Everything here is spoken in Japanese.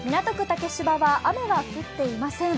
竹芝は雨は降っていません。